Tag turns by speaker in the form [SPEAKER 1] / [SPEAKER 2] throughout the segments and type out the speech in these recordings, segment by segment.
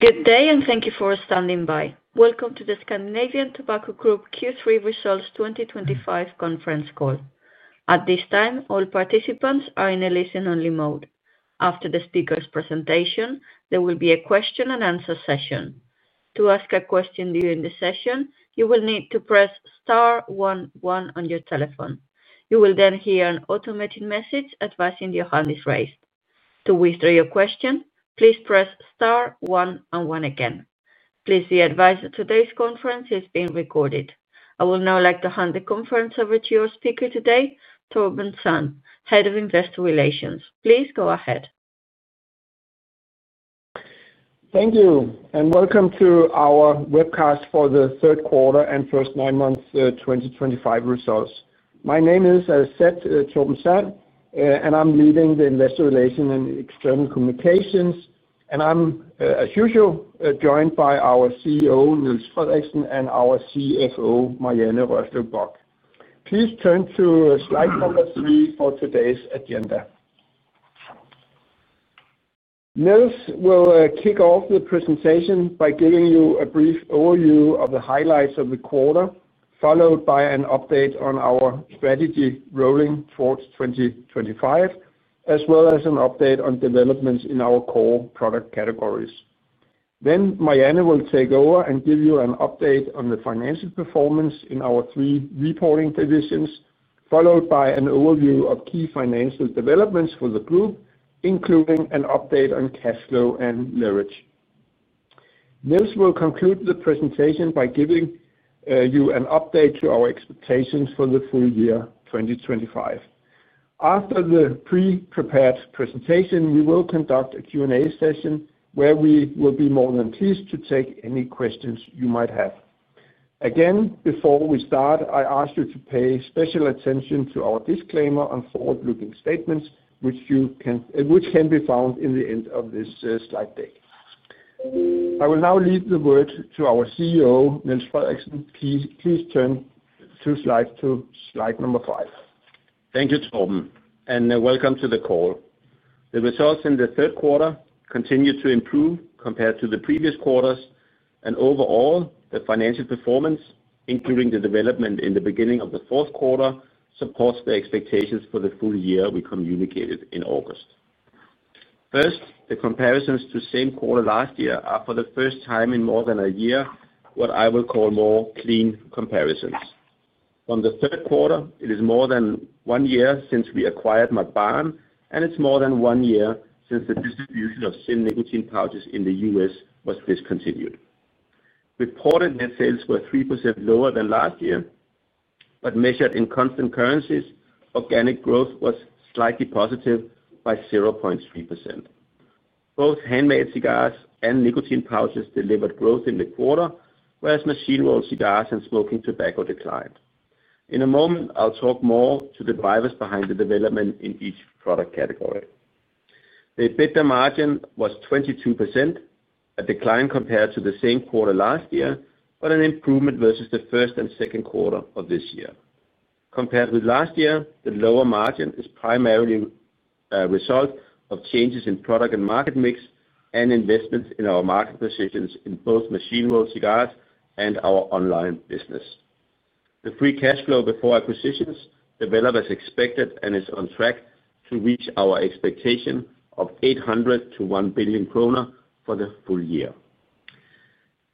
[SPEAKER 1] Good day, and thank you for standing by. Welcome to the Scandinavian Tobacco Group Q3 Results 2025 Conference Call. At this time, all participants are in a listen-only mode. After the speaker's presentation, there will be a question-and-answer session. To ask a question during the session, you will need to press star one one on your telephone. You will then hear an automated message advising your hand is raised. To withdraw your question, please press star one one again. Please see the adviser that today's conference is being recorded. I would now like to hand the conference over to your speaker today, Torben Sand, Head of Investor Relations. Please go ahead.
[SPEAKER 2] Thank you, and welcome to our webcast for the third quarter and first nine months 2025 results. My name is, as I said, Torben Sand, and I'm leading the Investor Relations and External Communications. I'm, as usual, joined by our CEO, Niels Frederiksen, and our CFO, Marianne Rørslev Bock. Please turn to slide number three for today's agenda. Niels will kick off the presentation by giving you a brief overview of the highlights of the quarter, followed by an update on our strategy rolling towards 2025, as well as an update on developments in our core product categories. Marianne will take over and give you an update on the financial performance in our three reporting divisions, followed by an overview of key financial developments for the group, including an update on cash flow and leverage. Niels will conclude the presentation by giving you an update to our expectations for the full year 2025. After the pre-prepared presentation, we will conduct a Q&A session where we will be more than pleased to take any questions you might have. Again, before we start, I ask you to pay special attention to our disclaimer on forward-looking statements, which can be found in the end of this slide deck. I will now leave the word to our CEO, Niels Frederiksen. Please turn to slide number five.
[SPEAKER 3] Thank you, Torben, and welcome to the call. The results in the third quarter continue to improve compared to the previous quarters, and overall, the financial performance, including the development in the beginning of the fourth quarter, supports the expectations for the full year we communicated in August. First, the comparisons to the same quarter last year are for the first time in more than a year what I will call more clean comparisons. From the third quarter, it is more than one year since we acquired Mac Baren, and it is more than one year since the distribution of ZYN nicotine pouches in the U.S. was discontinued. Reported net sales were 3% lower than last year, but measured in constant currencies, organic growth was slightly positive by 0.3%. Both handmade cigars and nicotine pouches delivered growth in the quarter, whereas machine-rolled cigars and smoking tobacco declined. In a moment, I'll talk more to the drivers behind the development in each product category. The EBITDA margin was 22%, a decline compared to the same quarter last year, but an improvement versus the first and second quarter of this year. Compared with last year, the lower margin is primarily the result of changes in product and market mix and investments in our market positions in both machine-rolled cigars and our online business. The free cash flow before acquisitions developed as expected and is on track to reach our expectation of 800 million-1 billion kroner for the full year.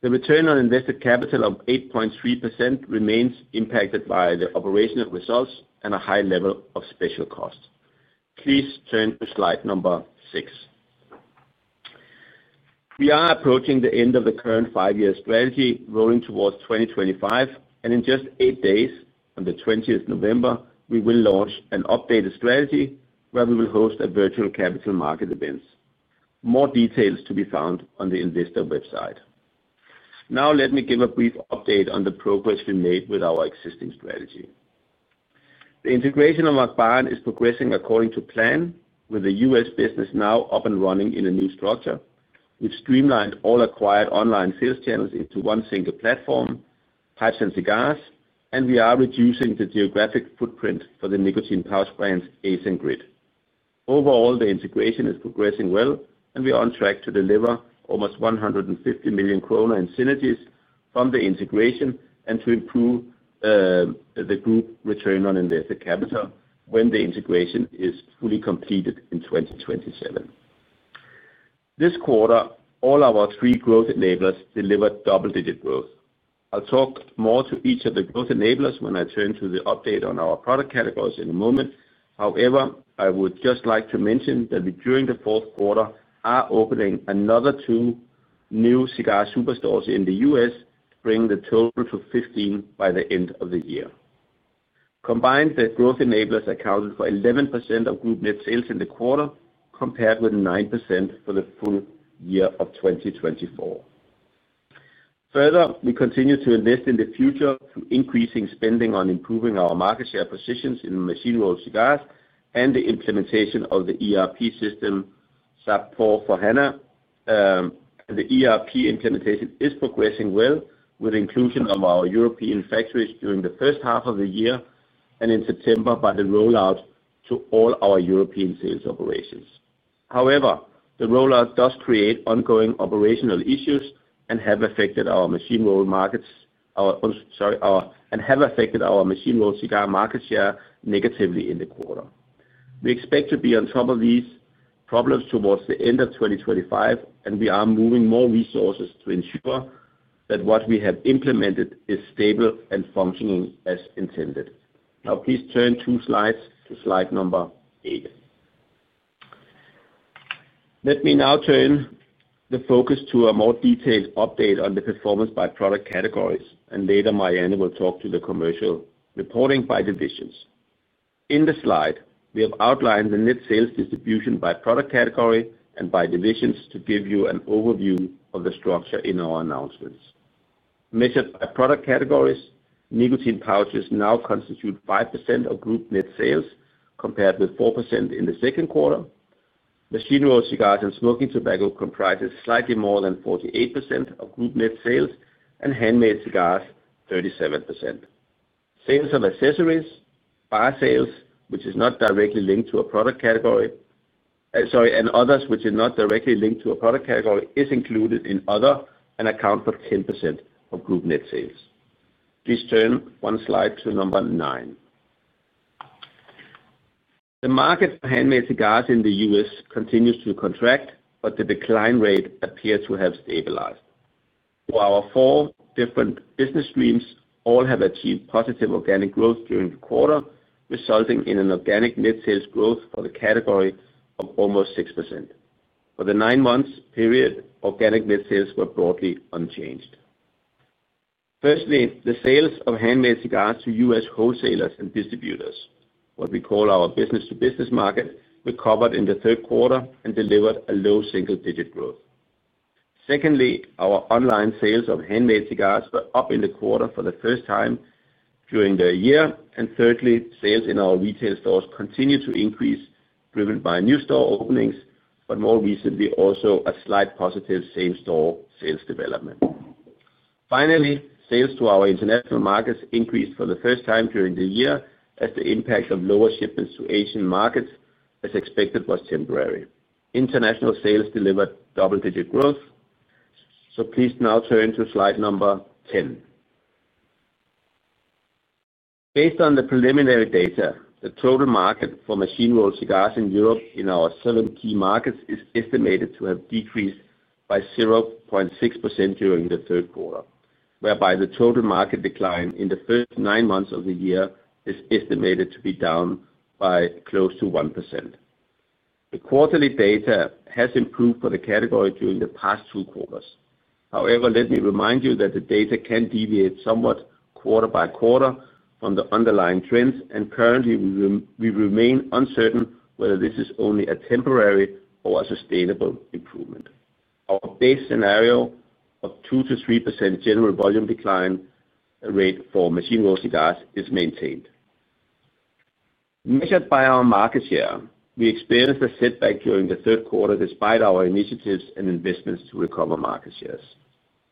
[SPEAKER 3] The return on invested capital of 8.3% remains impacted by the operational results and a high level of special costs. Please turn to slide number six. We are approaching the end of the current five-year strategy rolling towards 2025, and in just eight days, on the 20th of November, we will launch an updated strategy where we will host a virtual capital market event. More details to be found on the Investor website. Now, let me give a brief update on the progress we made with our existing strategy. The integration of Mac Baren is progressing according to plan, with the US business now up and running in a new structure. We've streamlined all acquired online sales channels into one single platform, Pipes and Cigars, and we are reducing the geographic footprint for the nicotine pouch brands Ace and Gritt. Overall, the integration is progressing well, and we are on track to deliver almost 150 million krone in synergies from the integration and to improve the group return on invested capital when the integration is fully completed in 2027. This quarter, all our three growth enablers delivered double-digit growth. I'll talk more to each of the growth enablers when I turn to the update on our product categories in a moment. However, I would just like to mention that during the fourth quarter, our opening another two new cigar superstores in the U.S. bring the total to 15 by the end of the year. Combined, the growth enablers accounted for 11% of group net sales in the quarter, compared with 9% for the full year of 2024. Further, we continue to invest in the future through increasing spending on improving our market share positions in machine-rolled cigars and the implementation of the ERP system, SAP S/4HANA. The ERP implementation is progressing well, with the inclusion of our European factories during the first half of the year and in September by the rollout to all our European sales operations. However, the rollout does create ongoing operational issues and have affected our machine-rolled cigar market share negatively in the quarter. We expect to be on top of these problems towards the end of 2025, and we are moving more resources to ensure that what we have implemented is stable and functioning as intended. Now, please turn to slide number eight. Let me now turn the focus to a more detailed update on the performance by product categories, and later, Marianne will talk to the commercial reporting by divisions. In the slide, we have outlined the net sales distribution by product category and by divisions to give you an overview of the structure in our announcements. Measured by product categories, nicotine pouches now constitute 5% of group net sales compared with 4% in the second quarter. Machine-rolled cigars and smoking tobacco comprise slightly more than 48% of group net sales, and handmade cigars 37%. Sales of accessories, by sales, which is not directly linked to a product category, sorry, and others which are not directly linked to a product category is included in other and accounts for 10% of group net sales. Please turn one slide to number nine. The market for handmade cigars in the U.S. continues to contract, but the decline rate appears to have stabilized. Our four different business streams all have achieved positive organic growth during the quarter, resulting in an organic net sales growth for the category of almost 6%. For the nine-month period, organic net sales were broadly unchanged. Firstly, the sales of handmade cigars to U.S. wholesalers and distributors, what we call our business-to-business market, recovered in the third quarter and delivered a low single-digit growth. Secondly, our online sales of handmade cigars were up in the quarter for the first time during the year. Thirdly, sales in our retail stores continue to increase, driven by new store openings, but more recently, also a slight positive same-store sales development. Finally, sales to our international markets increased for the first time during the year as the impact of lower shipments to Asian markets, as expected, was temporary. International sales delivered double-digit growth. Please now turn to slide number 10. Based on the preliminary data, the total market for machine-rolled cigars in Europe in our seven key markets is estimated to have decreased by 0.6% during the third quarter, whereby the total market decline in the first nine months of the year is estimated to be down by close to 1%. The quarterly data has improved for the category during the past two quarters. However, let me remind you that the data can deviate somewhat quarter by quarter from the underlying trends, and currently, we remain uncertain whether this is only a temporary or a sustainable improvement. Our base scenario of 2%-3% general volume decline rate for machine-rolled cigars is maintained. Measured by our market share, we experienced a setback during the third quarter despite our initiatives and investments to recover market shares.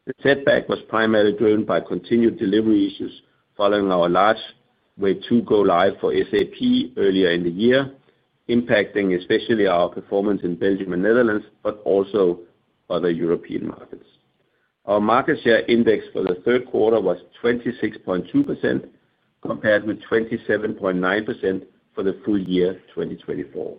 [SPEAKER 3] The setback was primarily driven by continued delivery issues following our large wave two go-live for SAP earlier in the year, impacting especially our performance in Belgium and Netherlands, but also other European markets. Our market share index for the third quarter was 26.2% compared with 27.9% for the full year 2024.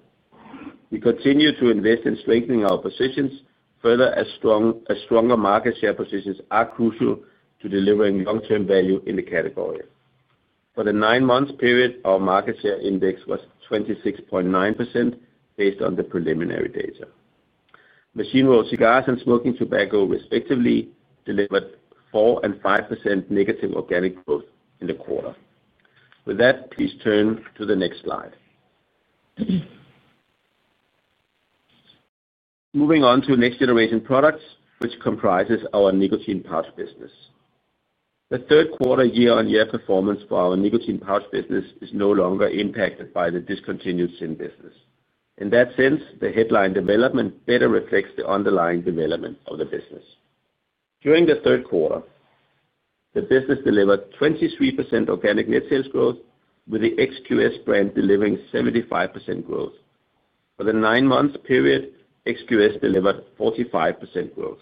[SPEAKER 3] We continue to invest in strengthening our positions. Further, as stronger market share positions are crucial to delivering long-term value in the category. For the nine-month period, our market share index was 26.9% based on the preliminary data. Machine-rolled cigars and smoking tobacco, respectively, delivered 4% and 5% negative organic growth in the quarter. With that, please turn to the next slide. Moving on to next-generation products, which comprises our nicotine pouch business. The third-quarter year-on-year performance for our nicotine pouch business is no longer impacted by the discontinued same business. In that sense, the headline development better reflects the underlying development of the business. During the third quarter, the business delivered 23% organic net sales growth, with the XQS brand delivering 75% growth. For the nine-month period, XQS delivered 45% growth.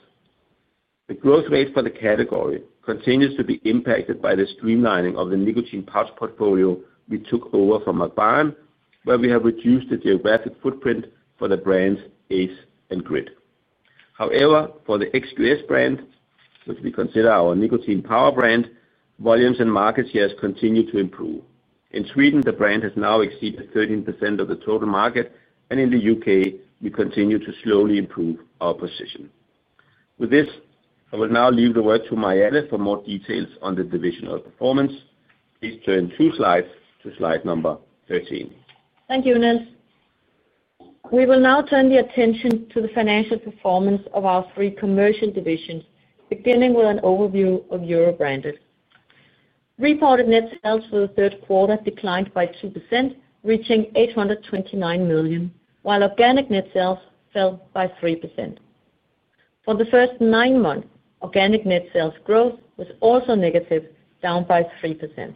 [SPEAKER 3] The growth rate for the category continues to be impacted by the streamlining of the nicotine pouch portfolio we took over from Mac Baren, where we have reduced the geographic footprint for the brands Ace and Gritt. However, for the XQS brand, which we consider our nicotine power brand, volumes and market shares continue to improve. In Sweden, the brand has now exceeded 13% of the total market, and in the U.K., we continue to slowly improve our position. With this, I will now leave the word to Marianne for more details on the divisional performance. Please turn two slides to slide number 13.
[SPEAKER 4] Thank you, Niels. We will now turn the attention to the financial performance of our three commercial divisions, beginning with an overview of EuroBranded. Reported net sales for the third quarter declined by 2%, reaching 829 million, while organic net sales fell by 3%. For the first nine months, organic net sales growth was also negative, down by 3%.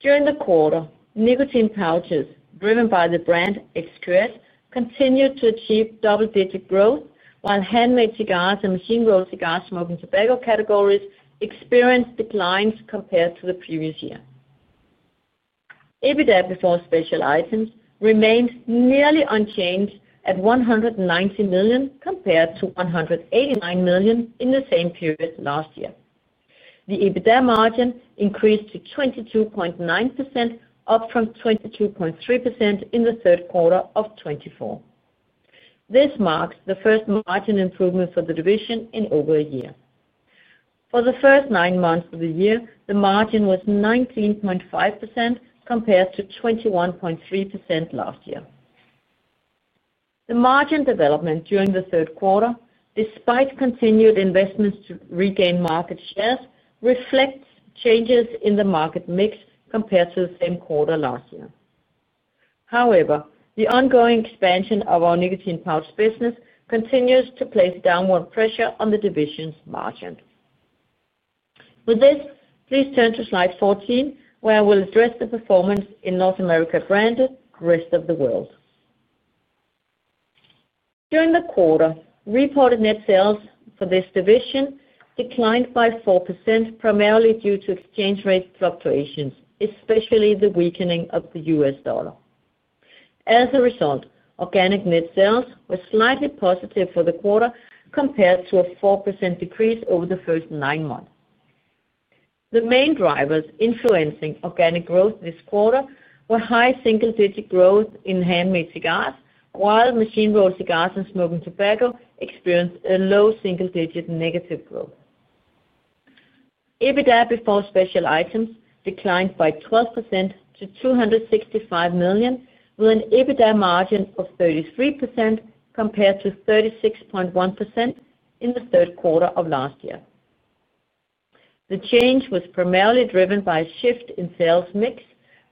[SPEAKER 4] During the quarter, nicotine pouches, driven by the brand XQS, continued to achieve double-digit growth, while handmade cigars and machine-rolled cigars, smoking tobacco categories experienced declines compared to the previous year. EBITDA before special items remained nearly unchanged at 190 million compared to 189 million in the same period last year. The EBITDA margin increased to 22.9%, up from 22.3% in the third quarter of 2024. This marks the first margin improvement for the division in over a year. For the first nine months of the year, the margin was 19.5% compared to 21.3% last year. The margin development during the third quarter, despite continued investments to regain market shares, reflects changes in the market mix compared to the same quarter last year. However, the ongoing expansion of our nicotine pouch business continues to place downward pressure on the division's margin. With this, please turn to slide 14, where I will address the performance in North America branded, rest of the world. During the quarter, reported net sales for this division declined by 4%, primarily due to exchange rate fluctuations, especially the weakening of the US dollar. As a result, organic net sales were slightly positive for the quarter compared to a 4% decrease over the first nine months. The main drivers influencing organic growth this quarter were high single-digit growth in handmade cigars, while machine-rolled cigars and smoking tobacco experienced a low single-digit negative growth. EBITDA before special items declined by 12% to 265 million, with an EBITDA margin of 33% compared to 36.1% in the third quarter of last year. The change was primarily driven by a shift in sales mix,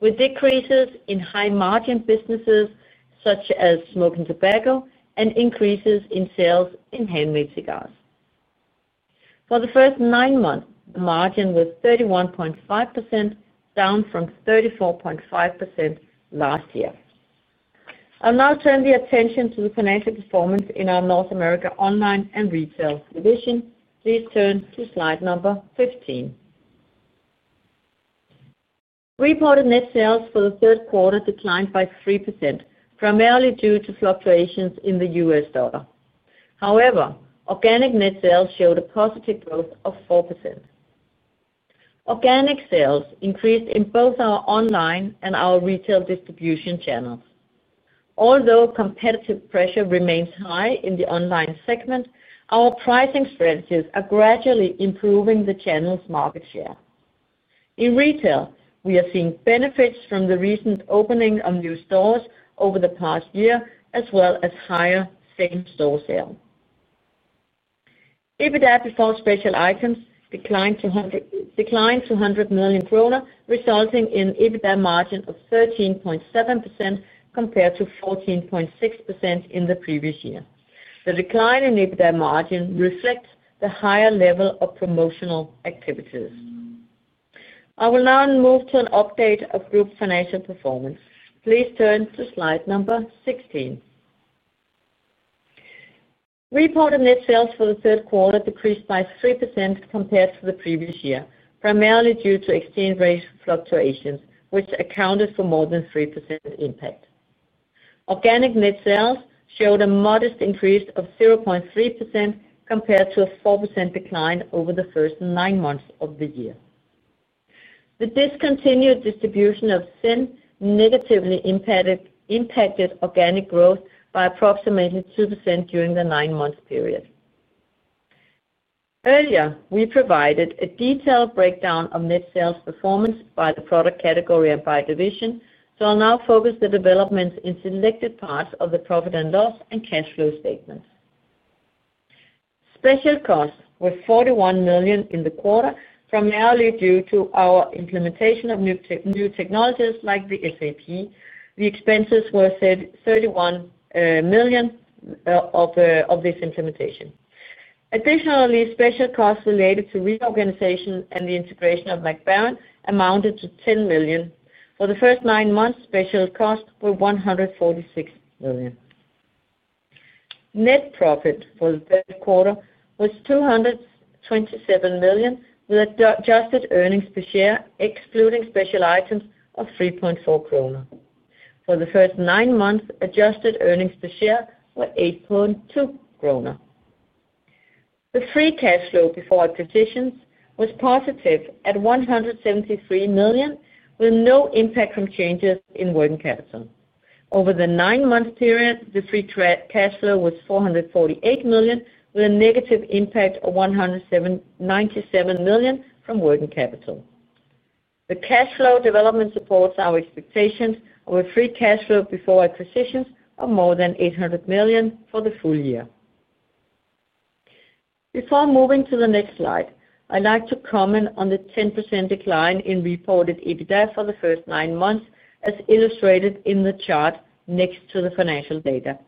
[SPEAKER 4] with decreases in high-margin businesses such as smoking tobacco and increases in sales in handmade cigars. For the first nine months, the margin was 31.5%, down from 34.5% last year. I'll now turn the attention to the financial performance in our North America online and retail division. Please turn to slide number 15. Reported net sales for the third quarter declined by 3%, primarily due to fluctuations in the US dollar. However, organic net sales showed a positive growth of 4%. Organic sales increased in both our online and our retail distribution channels. Although competitive pressure remains high in the online segment, our pricing strategies are gradually improving the channel's market share. In retail, we are seeing benefits from the recent opening of new stores over the past year, as well as higher same-store sales. EBITDA before special items declined to 100 million kroner, resulting in an EBITDA margin of 13.7% compared to 14.6% in the previous year. The decline in EBITDA margin reflects the higher level of promotional activities. I will now move to an update of group financial performance. Please turn to slide number 16. Reported net sales for the third quarter decreased by 3% compared to the previous year, primarily due to exchange rate fluctuations, which accounted for more than 3% impact. Organic net sales showed a modest increase of 0.3% compared to a 4% decline over the first nine months of the year. The discontinued distribution of ZYN negatively impacted organic growth by approximately 2% during the nine-month period. Earlier, we provided a detailed breakdown of net sales performance by the product category and by division, so I'll now focus the developments in selected parts of the profit and loss and cash flow statements. Special costs were 41 million in the quarter, primarily due to our implementation of new technologies like SAP. The expenses were 31 million of this implementation. Additionally, special costs related to reorganization and the integration of Mac Baren amounted to 10 million. For the first nine months, special costs were 146 million. Net profit for the third quarter was 227 million, with adjusted earnings per share excluding special items of 3.4 kroner. For the first nine months, adjusted earnings per share were 8.2 kroner. The free cash flow before acquisitions was positive at 173 million, with no impact from changes in working capital. Over the nine-month period, the free cash flow was 448 million, with a negative impact of 197 million from working capital. The cash flow development supports our expectations of a free cash flow before acquisitions of more than 800 million for the full year. Before moving to the next slide, I'd like to comment on the 10% decline in reported EBITDA for the first nine months, as illustrated in the chart next to the financial data.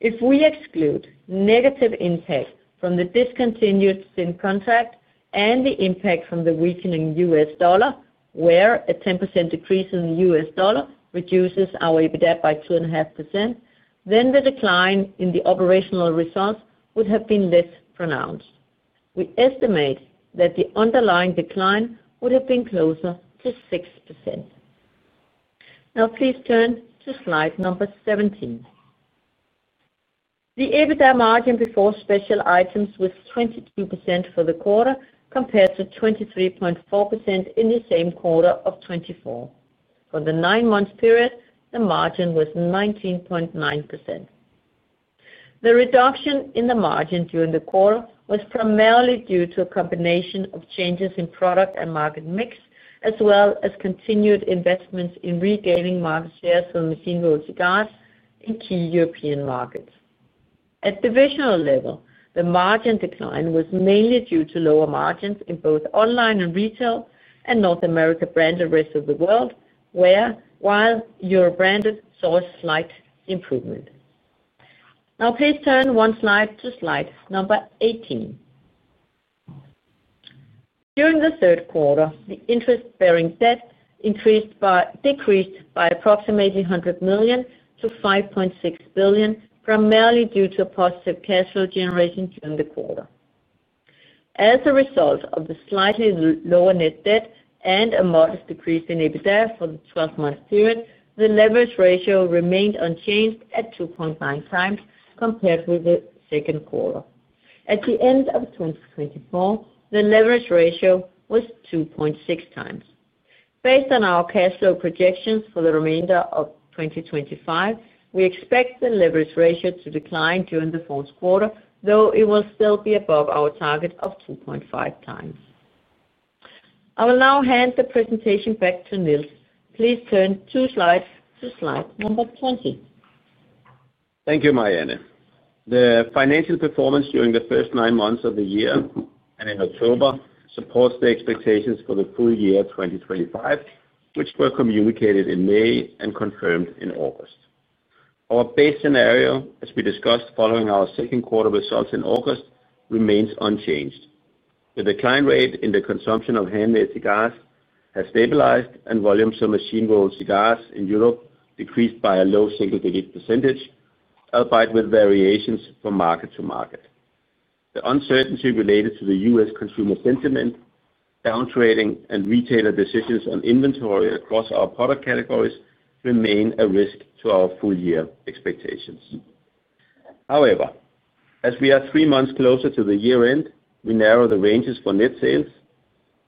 [SPEAKER 4] If we exclude negative impact from the discontinued same contract and the impact from the weakening US dollar, where a 10% decrease in the US dollar reduces our EBITDA by 2.5%, then the decline in the operational results would have been less pronounced. We estimate that the underlying decline would have been closer to 6%. Now, please turn to slide number 17. The EBITDA margin before special items was 22% for the quarter compared to 23.4% in the same quarter of 2024. For the nine-month period, the margin was 19.9%. The reduction in the margin during the quarter was primarily due to a combination of changes in product and market mix, as well as continued investments in regaining market shares for machine-rolled cigars in key European markets. At divisional level, the margin decline was mainly due to lower margins in both online and retail and North America branded, rest of the world, while EuroBranded saw a slight improvement. Now, please turn one slide to slide number 18. During the third quarter, the interest-bearing debt decreased by approximately 100 million to 5.6 billion, primarily due to a positive cash flow generation during the quarter. As a result of the slightly lower net debt and a modest decrease in EBITDA for the 12-month period, the leverage ratio remained unchanged at 2.9 times compared with the second quarter. At the end of 2024, the leverage ratio was 2.6 times. Based on our cash flow projections for the remainder of 2025, we expect the leverage ratio to decline during the fourth quarter, though it will still be above our target of 2.5 times. I will now hand the presentation back to Niels. Please turn two slides to slide number 20.
[SPEAKER 3] Thank you, Marianne. The financial performance during the first nine months of the year and in October supports the expectations for the full year 2025, which were communicated in May and confirmed in August. Our base scenario, as we discussed following our second quarter results in August, remains unchanged. The decline rate in the consumption of handmade cigars has stabilized, and volumes for machine-rolled cigars in Europe decreased by a low single-digit percentage, albeit with variations from market to market. The uncertainty related to the U.S. consumer sentiment, downtrading, and retailer decisions on inventory across our product categories remain a risk to our full-year expectations. However, as we are three months closer to the year-end, we narrow the ranges for net sales,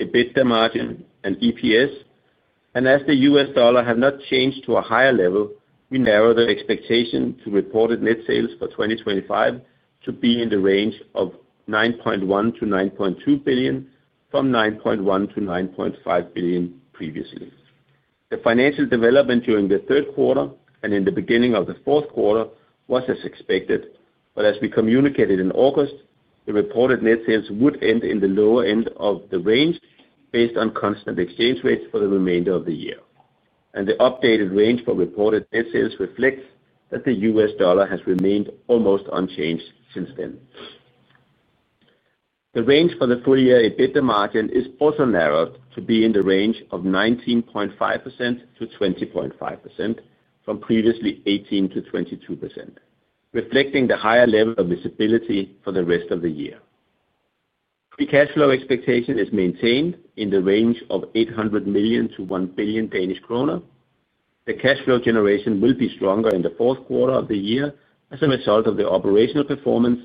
[SPEAKER 3] EBITDA margin, and EPS, and as the US dollar has not changed to a higher level, we narrow the expectation to reported net sales for 2025 to be in the range of 9.1 billion-9.2 billion from 9.1 billion-9.5 billion previously. The financial development during the third quarter and in the beginning of the fourth quarter was as expected, but as we communicated in August, the reported net sales would end in the lower end of the range based on constant exchange rates for the remainder of the year. The updated range for reported net sales reflects that the US dollar has remained almost unchanged since then. The range for the full-year EBITDA margin is also narrowed to be in the range of 19.5%-20.5% from previously 18%-22%, reflecting the higher level of visibility for the rest of the year. Free cash flow expectation is maintained in the range of 800 million-1 billion Danish krone. The cash flow generation will be stronger in the fourth quarter of the year as a result of the operational performance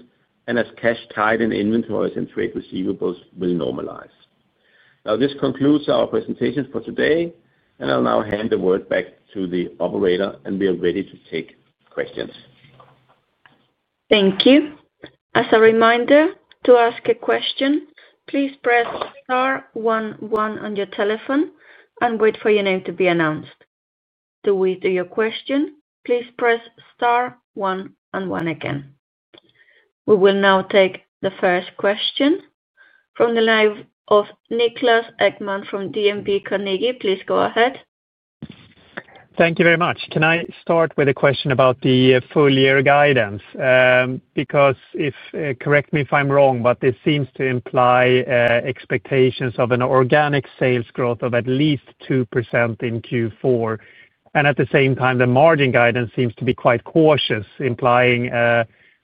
[SPEAKER 3] and as cash tied in inventories and trade receivables will normalize. Now, this concludes our presentation for today, and I'll now hand the word back to the operator, and we are ready to take questions.
[SPEAKER 1] Thank you. As a reminder, to ask a question, please press star one one on your telephone and wait for your name to be announced. To withdraw your question, please press star one one again. We will now take the first question from the line of Niklas Ekman from DNB Carnegie. Please go ahead.
[SPEAKER 5] Thank you very much. Can I start with a question about the full-year guidance? Correct me if I'm wrong, but this seems to imply expectations of an organic sales growth of at least 2% in Q4. At the same time, the margin guidance seems to be quite cautious, implying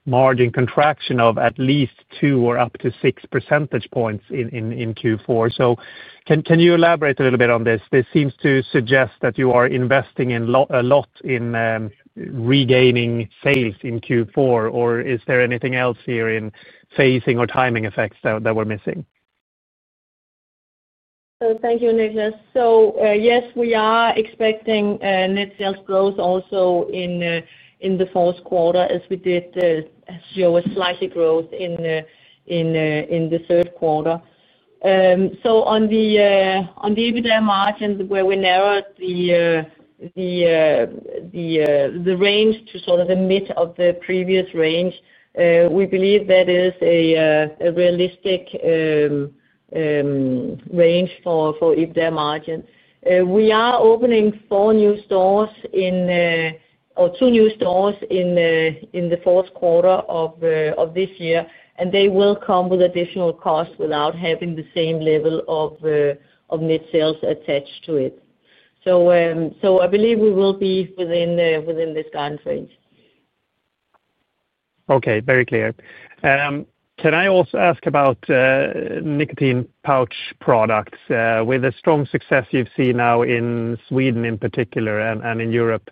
[SPEAKER 5] margin contraction of at least 2 or up to 6 percentage points in Q4. Can you elaborate a little bit on this? This seems to suggest that you are investing a lot in regaining sales in Q4, or is there anything else here in phasing or timing effects that we're missing?
[SPEAKER 4] Thank you, Niklas. Yes, we are expecting net sales growth also in the fourth quarter, as we did show a slight growth in the third quarter. On the EBITDA margin, where we narrowed the range to sort of the mid of the previous range, we believe that is a realistic range for EBITDA margin. We are opening four new stores or two new stores in the fourth quarter of this year, and they will come with additional costs without having the same level of net sales attached to it. I believe we will be within this guidance range.
[SPEAKER 5] Okay, very clear. Can I also ask about nicotine pouch products with the strong success you've seen now in Sweden in particular and in Europe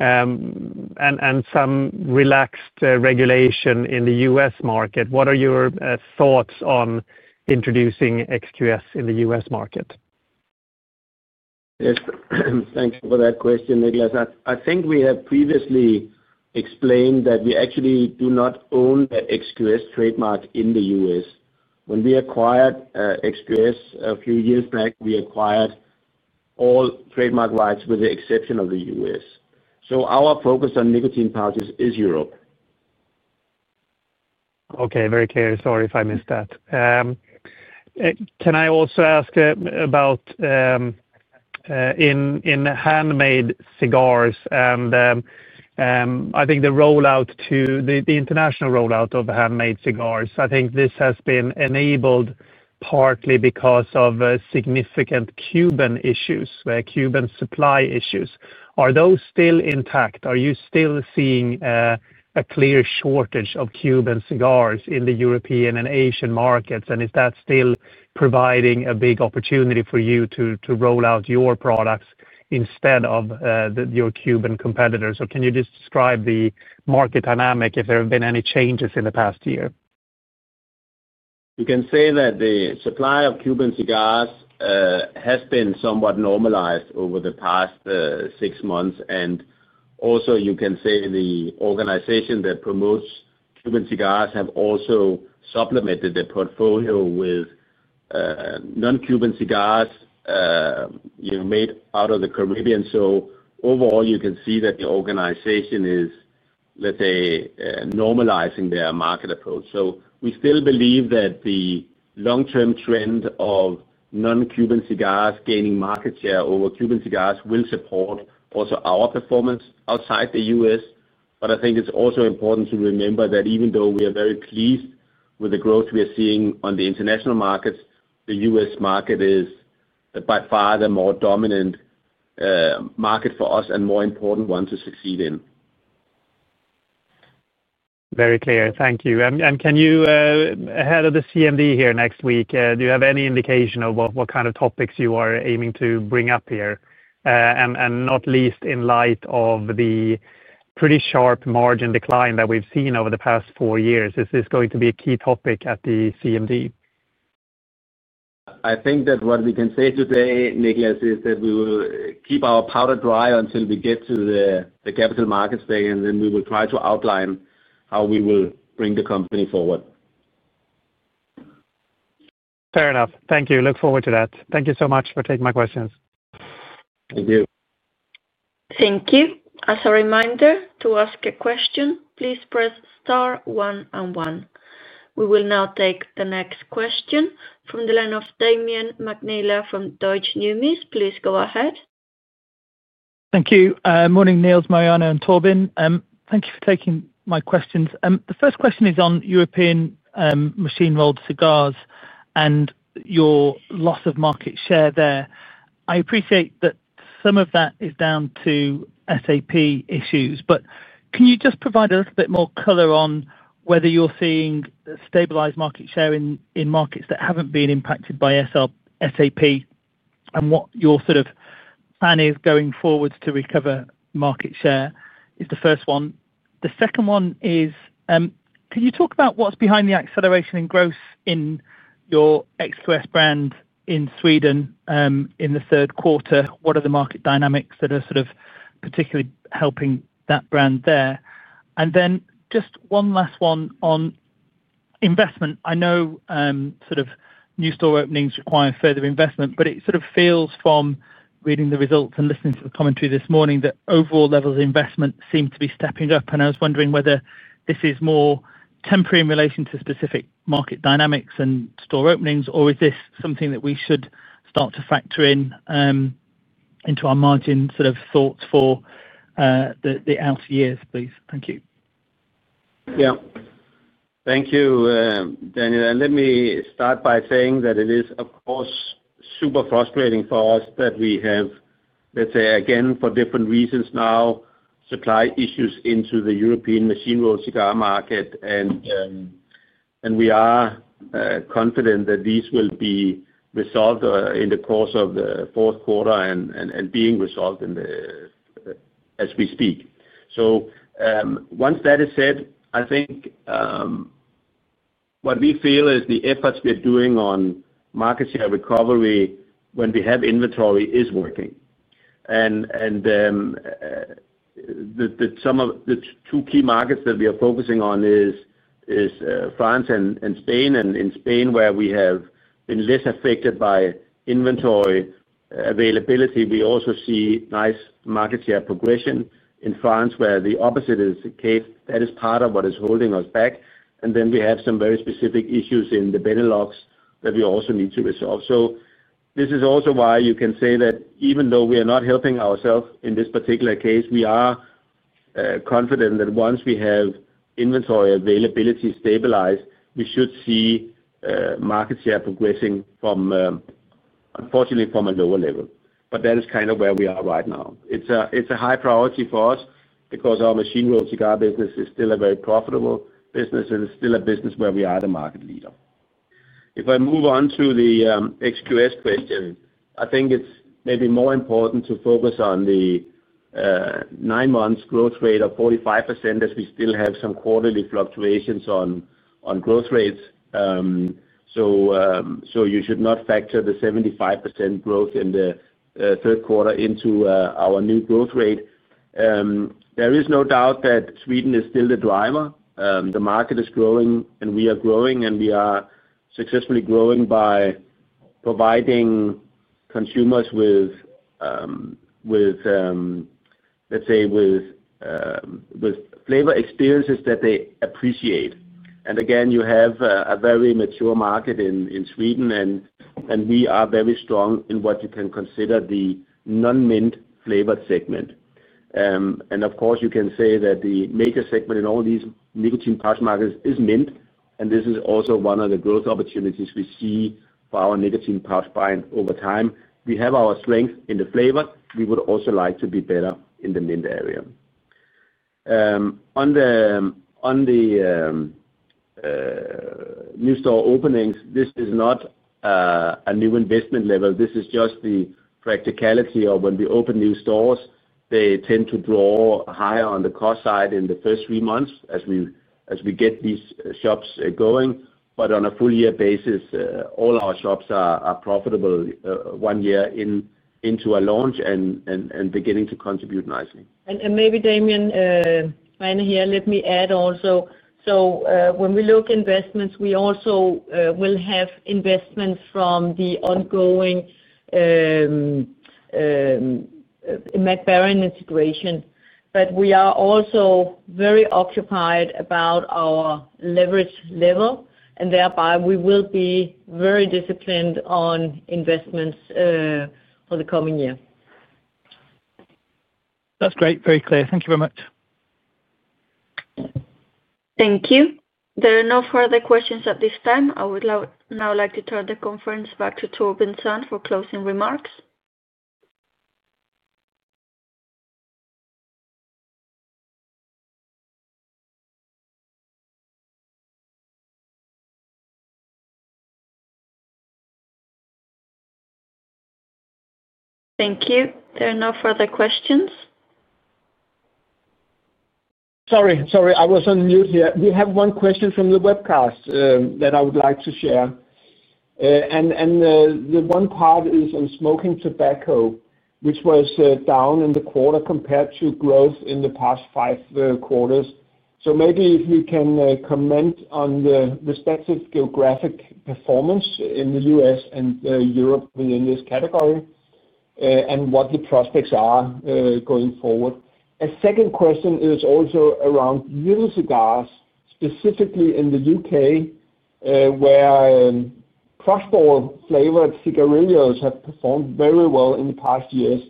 [SPEAKER 5] and some relaxed regulation in the U.S. market? What are your thoughts on introducing XQS in the U.S. market?
[SPEAKER 3] Yes, thanks for that question, Niklas. I think we have previously explained that we actually do not own the XQS trademark in the U.S. When we acquired XQS a few years back, we acquired all trademark rights with the exception of the U.S. So our focus on nicotine pouches is Europe.
[SPEAKER 5] Okay, very clear. Sorry if I missed that. Can I also ask about in handmade cigars, and I think the rollout to the international rollout of handmade cigars, I think this has been enabled partly because of significant Cuban issues, Cuban supply issues. Are those still intact? Are you still seeing a clear shortage of Cuban cigars in the European and Asian markets, and is that still providing a big opportunity for you to roll out your products instead of your Cuban competitors? Can you just describe the market dynamic, if there have been any changes in the past year?
[SPEAKER 3] You can say that the supply of Cuban cigars has been somewhat normalized over the past six months. You can also say the organization that promotes Cuban cigars has also supplemented their portfolio with non-Cuban cigars made out of the Caribbean. Overall, you can see that the organization is, let's say, normalizing their market approach. We still believe that the long-term trend of non-Cuban cigars gaining market share over Cuban cigars will support also our performance outside the U.S. I think it's also important to remember that even though we are very pleased with the growth we are seeing on the international markets, the U.S. market is by far the more dominant market for us and more important one to succeed in.
[SPEAKER 5] Very clear. Thank you. Can you, head of the CMD here next week, do you have any indication of what kind of topics you are aiming to bring up here? Not least in light of the pretty sharp margin decline that we've seen over the past four years, is this going to be a key topic at the CMD?
[SPEAKER 3] I think that what we can say today, Niklas, is that we will keep our powder dry until we get to the capital markets there, and then we will try to outline how we will bring the company forward.
[SPEAKER 5] Fair enough. Thank you. Look forward to that. Thank you so much for taking my questions.
[SPEAKER 3] Thank you.
[SPEAKER 1] Thank you. As a reminder to ask a question, please press star one one. We will now take the next question from the line of Damian McNeela from Deutsche Numis. Please go ahead.
[SPEAKER 6] Thank you. Morning, Niels, Marianne, and Torben. Thank you for taking my questions. The first question is on European machine-rolled cigars and your loss of market share there. I appreciate that some of that is down to SAP issues, but can you just provide a little bit more color on whether you're seeing stabilized market share in markets that haven't been impacted by SAP and what your sort of plan is going forwards to recover market share is the first one. The second one is, can you talk about what's behind the acceleration in growth in your XQS brand in Sweden in the third quarter? What are the market dynamics that are sort of particularly helping that brand there? And then just one last one on investment. I know sort of new store openings require further investment, but it sort of feels from reading the results and listening to the commentary this morning that overall levels of investment seem to be stepping up. I was wondering whether this is more temporary in relation to specific market dynamics and store openings, or is this something that we should start to factor into our margin sort of thoughts for the outer years, please? Thank you.
[SPEAKER 3] Yeah. Thank you, Daniel. Let me start by saying that it is, of course, super frustrating for us that we have, let's say, again, for different reasons now, supply issues into the European machine-rolled cigar market. We are confident that these will be resolved in the course of the fourth quarter and being resolved as we speak. Once that is said, I think what we feel is the efforts we're doing on market share recovery when we have inventory is working. Some of the two key markets that we are focusing on is France and Spain. In Spain, where we have been less affected by inventory availability, we also see nice market share progression. In France, where the opposite is the case, that is part of what is holding us back. We have some very specific issues in the Benelux that we also need to resolve. This is also why you can say that even though we are not helping ourselves in this particular case, we are confident that once we have inventory availability stabilized, we should see market share progressing, unfortunately, from a lower level. That is kind of where we are right now. It is a high priority for us because our machine-rolled cigar business is still a very profitable business, and it is still a business where we are the market leader. If I move on to the XQS question, I think it is maybe more important to focus on the nine-month growth rate of 45% as we still have some quarterly fluctuations on growth rates. You should not factor the 75% growth in the third quarter into our new growth rate. There is no doubt that Sweden is still the driver. The market is growing, and we are growing, and we are successfully growing by providing consumers with, let's say, with flavor experiences that they appreciate. You have a very mature market in Sweden, and we are very strong in what you can consider the non-mint flavored segment. Of course, you can say that the major segment in all these nicotine pouch markets is mint, and this is also one of the growth opportunities we see for our nicotine pouch buying over time. We have our strength in the flavor. We would also like to be better in the mint area. On the new store openings, this is not a new investment level. This is just the practicality of when we open new stores, they tend to draw higher on the cost side in the first three months as we get these shops going. On a full-year basis, all our shops are profitable one year into a launch and beginning to contribute nicely.
[SPEAKER 4] Maybe, Damian, finally here, let me add also. When we look at investments, we also will have investments from the ongoing Mac Baren integration. We are also very occupied about our leverage level, and thereby we will be very disciplined on investments for the coming year.
[SPEAKER 6] That's great. Very clear. Thank you very much.
[SPEAKER 1] Thank you. There are no further questions at this time. I would now like to turn the conference back to Torben Sand for closing remarks. Thank you. There are no further questions.
[SPEAKER 2] Sorry, sorry. I was on mute here. We have one question from the webcast that I would like to share. The one part is on smoking tobacco, which was down in the quarter compared to growth in the past five quarters. Maybe if we can comment on the respective geographic performance in the U.S. and Europe within this category and what the prospects are going forward. A second question is also around little cigars, specifically in the U.K., where cross-bowl flavored cigarrillos have performed very well in the past years.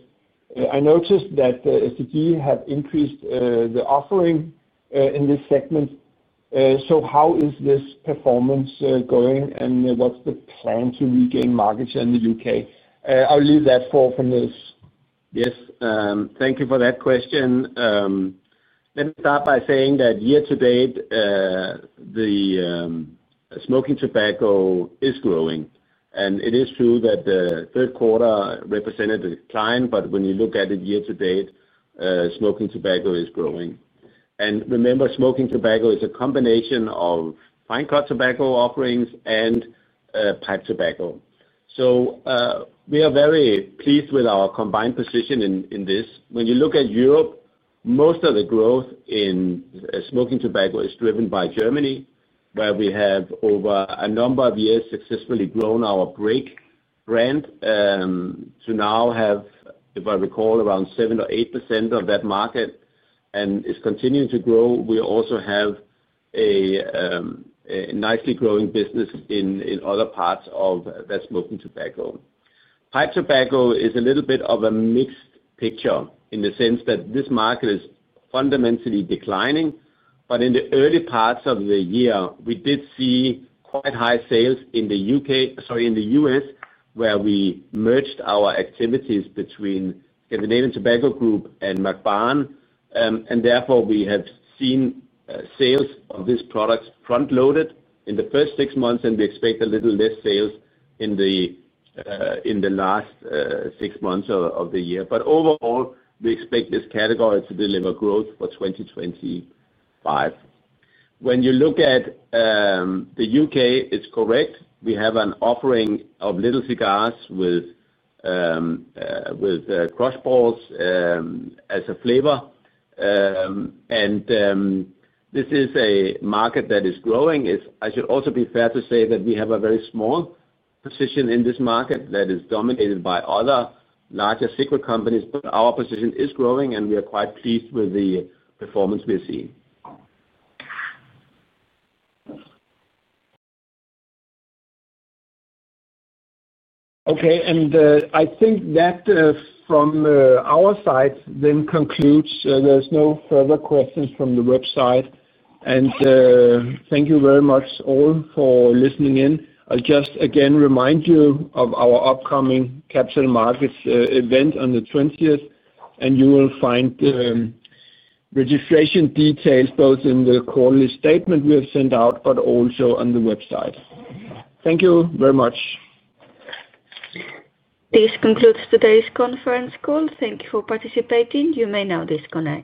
[SPEAKER 2] I noticed that STG have increased the offering in this segment. How is this performance going, and what is the plan to regain market share in the U.K.? I will leave that for Niels.
[SPEAKER 3] Yes. Thank you for that question. Let me start by saying that year to date, the smoking tobacco is growing. It is true that the third quarter represented a decline, but when you look at it year to date, smoking tobacco is growing. Remember, smoking tobacco is a combination of fine-cut tobacco offerings and pipe tobacco. We are very pleased with our combined position in this. When you look at Europe, most of the growth in smoking tobacco is driven by Germany, where we have over a number of years successfully grown our BREAK brand to now have, if I recall, around 7% or 8% of that market and is continuing to grow. We also have a nicely growing business in other parts of that smoking tobacco. Pipe tobacco is a little bit of a mixed picture in the sense that this market is fundamentally declining. In the early parts of the year, we did see quite high sales in the U.S., sorry, in the U.S., where we merged our activities between Scandinavian Tobacco Group and Mac Baren. Therefore, we have seen sales of these products front-loaded in the first six months, and we expect a little less sales in the last six months of the year. Overall, we expect this category to deliver growth for 2025. When you look at the U.K., it is correct. We have an offering of little cigars with cross-bowls as a flavor. This is a market that is growing. I should also be fair to say that we have a very small position in this market that is dominated by other larger cigar companies, but our position is growing, and we are quite pleased with the performance we're seeing.
[SPEAKER 2] Okay. I think that from our side that concludes. There are no further questions from the website. Thank you very much all for listening in. I'll just again remind you of our upcoming capital markets event on the 20th, and you will find registration details both in the quarterly statement we have sent out but also on the website. Thank you very much.
[SPEAKER 1] This concludes today's conference call. Thank you for participating. You may now disconnect.